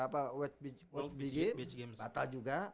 beach games batal juga